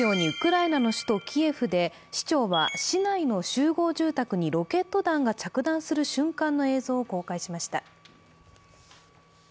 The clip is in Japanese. ウクライナの首都キエフで市長は市内にロケット弾が着弾する瞬間の映像を公開しました。